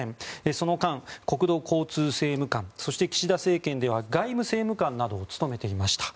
その間、国土交通政務官そして、岸田政権では外務政務官などを務めていました。